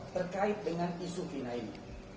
terkait dengan isu final ini